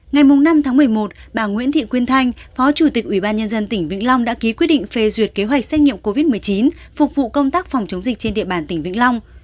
ngày năm một mươi một bà nguyễn thị quyên thanh phó chủ tịch ubnd tp vĩnh long đã ký quyết định phê duyệt kế hoạch xét nghiệm covid một mươi chín phục vụ công tác phòng chống dịch trên địa bàn tp vĩnh long